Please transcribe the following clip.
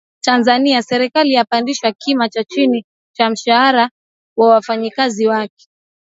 Tanzania: Serikali yapandisha kima cha chini cha mshahara wa wafanyakazi wake